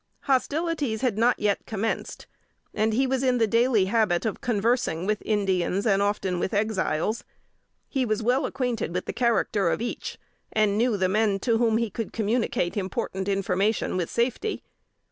Hostilities had not yet commenced, and he was in the daily habit of conversing with Indians, and often with Exiles. He was well acquainted with the character of each, and knew the men to whom he could communicate important information with safety.